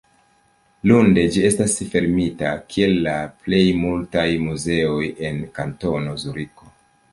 Lunde ĝi estas fermita kiel la plej multaj muzeoj en Kantono Zuriko.